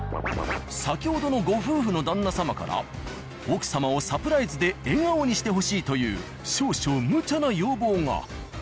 先ほどのご夫婦の旦那様から奥様をサプライズで笑顔にしてほしいという少々むちゃな要望が。